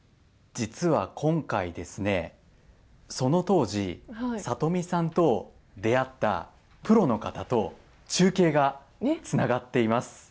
実は今回ですねその当時里見さんと出会ったプロの方と中継がつながっています。